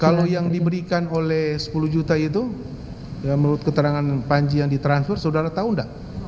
kalau yang diberikan oleh sepuluh juta itu menurut keterangan panji yang ditransfer saudara tahu enggak